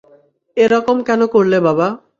এরকম কেন করলে বাবা?